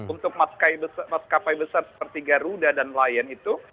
untuk maskapai besar seperti garuda dan lion itu